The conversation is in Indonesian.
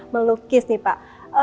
melukis nih pak